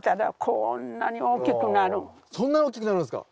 そんなに大きくなるんですか？